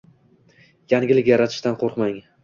Yangilik yaratishdan qo’rqmang